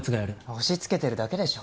押しつけてるだけでしょ。